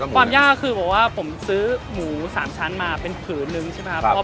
ความยากคือบอกว่าผมซื้อหมู๓ชั้นมาเป็นผืนนึงใช่ไหมครับ